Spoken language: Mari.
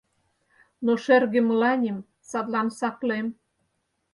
Но шерге мыланем, садлан саклем.